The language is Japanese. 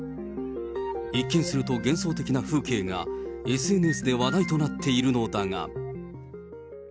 一見すると幻想的な風景が、ＳＮＳで話題となっているのだが。